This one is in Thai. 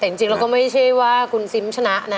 แต่จริงแล้วก็ไม่ใช่ว่าคุณซิมชนะนะ